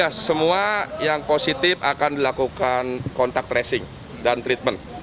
ya semua yang positif akan dilakukan kontak tracing dan treatment